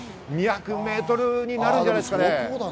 ２００メートルになるんじゃないですかね。